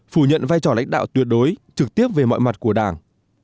phủ nhận vai trò lãnh đạo tuyệt đối trực tiếp về mọi mặt của đảng